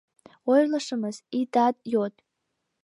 — Ойлышымыс, итат йод.